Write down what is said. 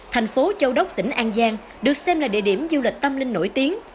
thành phố châu đốc tỉnh an giang được xem là địa điểm du lịch tâm linh nổi tiếng